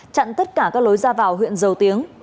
chặn tất cả các lối ra vào huyện dầu tiếng